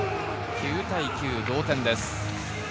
９対９、同点です。